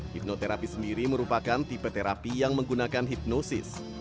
hipnoterapi sendiri merupakan tipe terapi yang menggunakan hipnosis